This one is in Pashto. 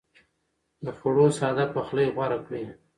د خوړو ساده پخلی غوره کړئ.